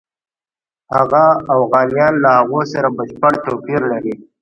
هغه اوغانیان له هغو سره بشپړ توپیر لري.